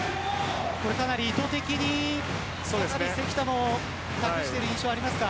かなり意図的に関田がやっている印象がありますか。